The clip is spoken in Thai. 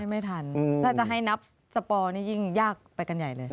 ไม่ทันถ้าจะให้นับสปอร์นี่ยิ่งยากไปกันใหญ่เลย